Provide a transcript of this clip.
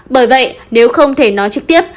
bởi vậy nếu không thể nói trực tiếp